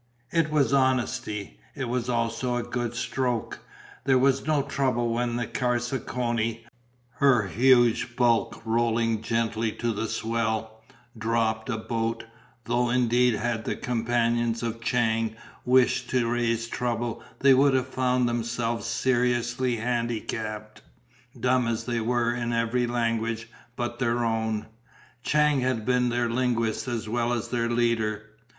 It was honesty. It was also a good stroke. There was no trouble when the Carcassonne, her huge bulk rolling gently to the swell, dropped a boat, though indeed had the companions of Chang wished to raise trouble they would have found themselves seriously handicapped, dumb as they were in every language but their own. Chang had been their linguist as well as their leader.